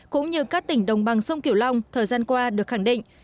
cũng như các tỉnh đồng bằng sông kiểu long thời gian qua được khẳng định